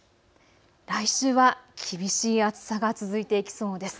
来週は厳しい暑さが続いていきそうです。